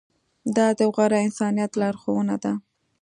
دا د غوره انسانیت لارښوونه ده.